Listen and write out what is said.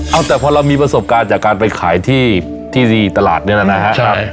เอาแต่พอเรามีประสบการณ์จากการไปขายที่ตลาดนี่แหละนะฮะ